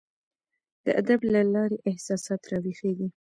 د ادب له لاري احساسات راویښیږي.